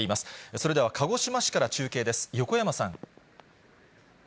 それでは鹿児島市から中継です、横山さん。